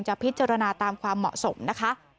พิจารณาตามความเหมาะสมนะคะ